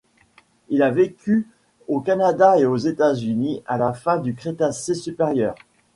Il a vécu au Canada et aux États-Unis à la fin du Crétacé supérieur.